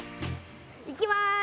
いきまーす！